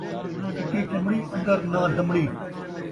چٹی چمڑی ، ان٘در ناں دمڑی